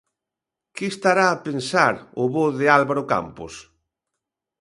Que estará a pensar o bo de Álvaro Campos?